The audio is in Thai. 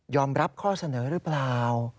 ยอมรับข้อเสนอรึเปล่า